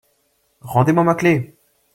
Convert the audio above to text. Rendez-moi ma clef !…